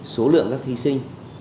số lượng các thí sinh